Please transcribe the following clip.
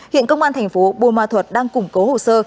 hiện công an thành phố bô ma thuật đang củng cố hồ sơ